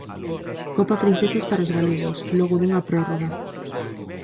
Copa Princesas para os galegos, logo dunha prórroga.